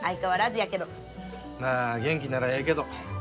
まあ元気ならええけど。